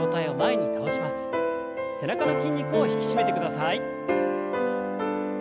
背中の筋肉を引き締めてください。